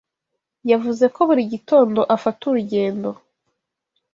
Yavuze ko buri gitondo afata urugendo.